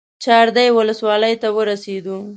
چادرې ولسوالۍ ته ورسېدو.